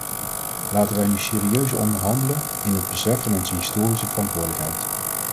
Laten wij nu serieus onderhandelen, in het besef van onze historische verantwoordelijkheid.